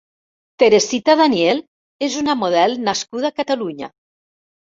Teresita Daniel és una model nascuda a Catalunya.